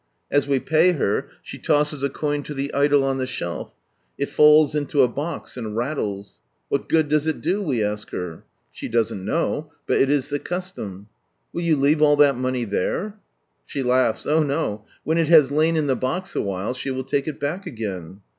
As we pay her, she tosses a coin to the idol on the shelf, it falls into a box and rattles. " What good does it do ?" we ask her. She doesn't know, but it is the custom. " Will you leave all that money there?" She laughs. Oh no, when it has lain in the box awhile she will take it back again.